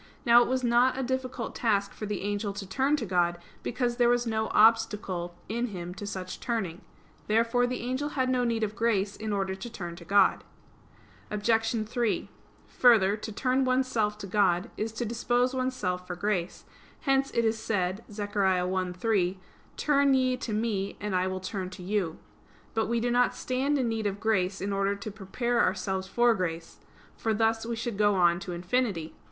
Now it was not a difficult task for the angel to turn to God; because there was no obstacle in him to such turning. Therefore the angel had no need of grace in order to turn to God. Obj. 3: Further, to turn oneself to God is to dispose oneself for grace; hence it is said (Zech. 1:3): "Turn ye to Me, and I will turn to you." But we do not stand in need of grace in order to prepare ourselves for grace: for thus we should go on to infinity.